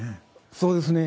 そうですね。